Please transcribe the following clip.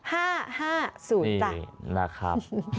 ห้าห้าศูนย์จ้ะนี่นะครับ